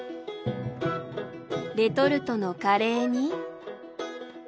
レトルトのカレーに。